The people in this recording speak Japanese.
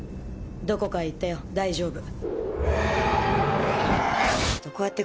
どこかへ行ったよ、大丈夫。